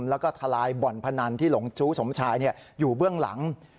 แล้วก็ทลายบ่อนพนันที่หลงจู้สมชายอยู่เบื้องหลัง